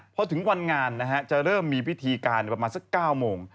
พอถึงวันงานจะเริ่มมีพิธีการประมาณสัก๙โมง